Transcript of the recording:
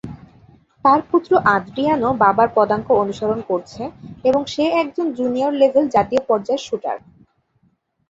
তার পুত্র আদ্রিয়ান ও বাবার পদাঙ্ক অনুসরণ করছে এবং সে একজন জুনিয়র লেভেল জাতীয় পর্যায়ের শ্যুটার।